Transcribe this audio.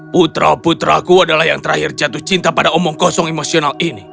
putra putraku adalah yang terakhir jatuh cinta pada omong kosong emosional ini